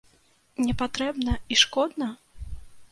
Не патрэбна і шкодна?